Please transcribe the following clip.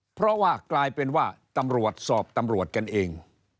เพราะว่ากลายเป็นว่าตำรวจสอบตำรวจกันเอง